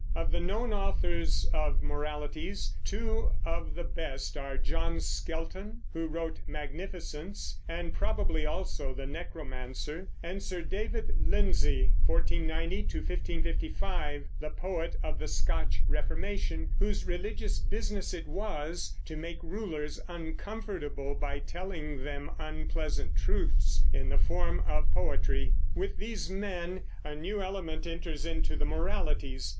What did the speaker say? Of the known authors of Moralities, two of the best are John Skelton, who wrote "Magnificence," and probably also "The Necromancer"; and Sir David Lindsay (1490 1555), "the poet of the Scotch Reformation," whose religious business it was to make rulers uncomfortable by telling them unpleasant truths in the form of poetry. With these men a new element enters into the Moralities.